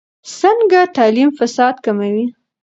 څنګه تعلیم فساد کموي؟